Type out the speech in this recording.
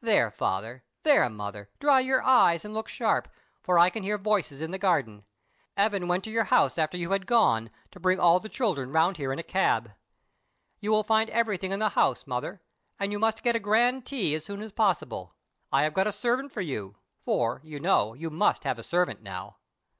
There, father, there, mother, dry your eyes, and look sharp, for I can hear voices in the garden. Evan went to your house after you had gone to bring all the children round here in a cab. "You will find everything in the house, mother, and you must get a grand tea as soon as possible. I have got a servant for you—for, you know, you must have a servant now."